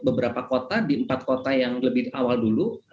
beberapa kota di empat kota yang lebih awal dulu